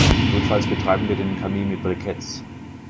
Notfalls betreiben wir den Kamin mit Briketts.